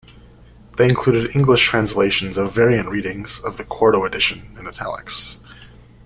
They included English translations of variant readings of the quarto edition in italics.